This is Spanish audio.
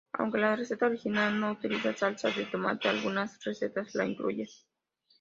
Aunque la receta original no utiliza salsa de tomate, algunas recetas la incluyen.